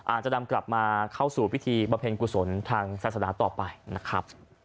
อาจจะนำกลับมาเข้าสู่พิธีบำเพ็ญกุศลทางศาสนาต่อไปนะครับ